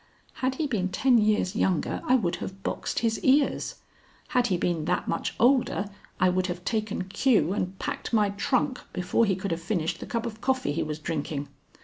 Had he been ten years younger I would have boxed his ears; had he been that much older I would have taken cue and packed my trunk before he could have finished the cup of coffee he was drinking.